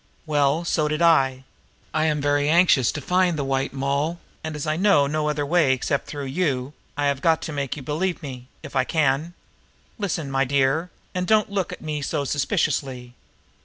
"Well, so did I. I am very anxious to find the White Moll, and, as I know of no other way except through you, I have got to make you believe in me, if I can. Listen, my dear lady and don't look at me so suspiciously.